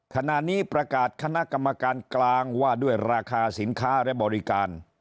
ขณะนี้ประกาศคณะกรรมการกลางว่าด้วยราคาสินค้าและบริการ